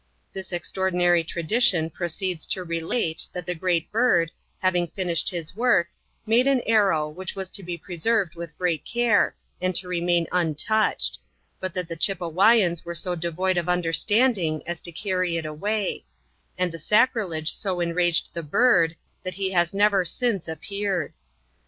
This extraordinary tradition pro ceeds to relate, that the great bird, having finished his work, made an arrow, which was to be preserved with great care, and to remain untouched; but that the Chipewyans were so devoid of understanding, as to carry it away; and the sacri lege so enraged the bird, that he has never since appeared.